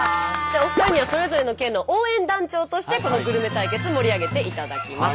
お二人にはそれぞれの県の応援団長としてこのグルメ対決盛り上げていただきます。